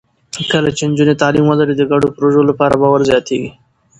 کله چې نجونې تعلیم ولري، د ګډو پروژو لپاره باور زیاتېږي.